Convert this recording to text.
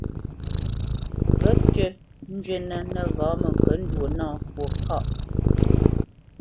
Və̌tʉ́ nywíʼnə nəghǎ məŋkəndwo nâ fwo ŋkâʼ.